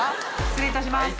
失礼いたします。